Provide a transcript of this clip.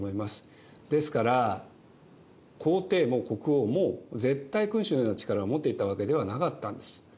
ですから皇帝も国王も絶対君主のような力を持っていたわけではなかったんです。